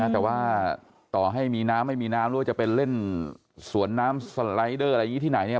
แต่ว่าต่อให้มีน้ำไม่มีน้ำหรือว่าจะเป็นเล่นสวนน้ำสไลเดอร์อะไรอย่างนี้ที่ไหนเนี่ย